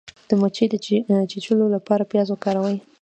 د مچۍ د چیچلو لپاره پیاز وکاروئ